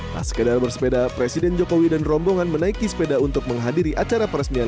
tak sekedar bersepeda presiden jokowi dan rombongan menaiki sepeda untuk menghadiri acara peresmian